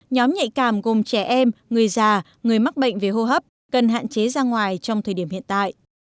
nhóm nhạy cảm gồm trẻ em người già người mắc bệnh về hô hấp cần hạn chế ra ngoài trong thời điểm hiện tại